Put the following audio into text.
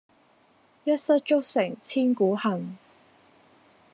一失足成千古恨